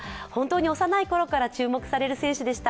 幼いころから注目される選手でした。